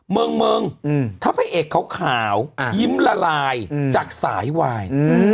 เมิงถ้าผู้เอกเขาขาวยิ้มละลายจากสายวาย